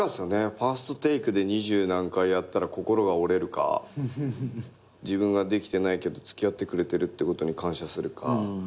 ファーストテイクで二十何回やったら心が折れるか自分ができてないけど付き合ってくれてるってことに感謝するか。